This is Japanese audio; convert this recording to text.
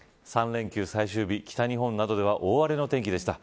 ３連休最終日、北日本などで大荒れの天気でした。